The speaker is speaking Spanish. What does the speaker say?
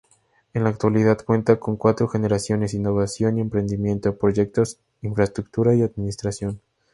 En la actualidad cuenta con cuatro gerencias: Innovación y Emprendimiento, Proyectos, Infraestructura y Administración.